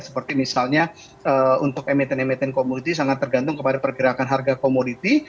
seperti misalnya untuk emiten emiten komoditi sangat tergantung kepada pergerakan harga komoditi